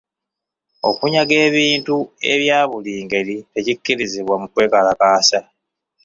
Okunyaga ebintu ebya buli ngeri tekikkirizibwa mu kwekalakaasa.